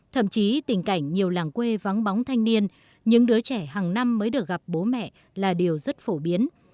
thậm chí tình cảnh nhiều làng quê vắng bóng thanh niên những đứa trẻ hàng năm mới được gặp bố mẹ là điều rất phổ biến